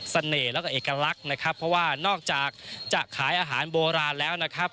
แล้วก็เอกลักษณ์นะครับเพราะว่านอกจากจะขายอาหารโบราณแล้วนะครับ